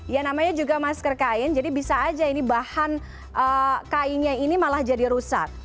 ya namanya juga masker kain jadi bisa aja ini bahan kainnya ini malah jadi rusak